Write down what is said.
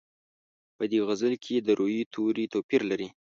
په دې غزل کې د روي توري توپیر لري.